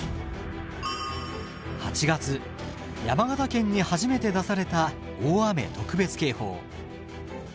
８月山形県に初めて出された大雨特別警報。